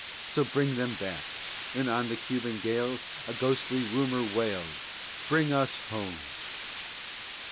So bring them back." And on the Cuban gales, A ghostly rumor wails, "Bring us home!"